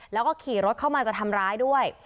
แล้วก็ขี่รถเข้ามาจะทำร้ายด้วย